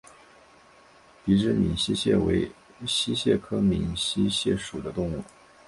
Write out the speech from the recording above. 鼻肢闽溪蟹为溪蟹科闽溪蟹属的动物。